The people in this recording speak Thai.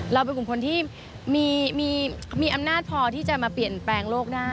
เป็นกลุ่มคนที่มีอำนาจพอที่จะมาเปลี่ยนแปลงโลกได้